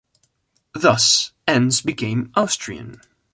Thus, Enns became Austrian.